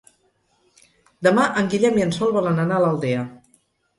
Demà en Guillem i en Sol volen anar a l'Aldea.